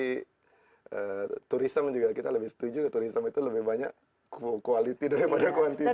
benar sama seperti turisme juga kita lebih setuju turisme itu lebih banyak kualitas daripada kuantitas